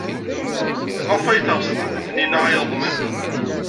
Maɣef ay teɣs Taninna iɣeḍmen?